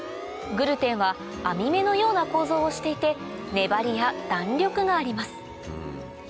グルテンは網目のような構造をしていて粘りや弾力があります